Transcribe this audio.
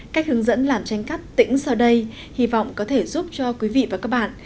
cách hướng dẫn làm tranh cát tỉnh sau đây hy vọng có thể giúp cho quý vị và các bạn